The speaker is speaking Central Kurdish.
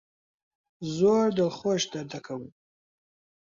زۆر دڵخۆش دەردەکەون.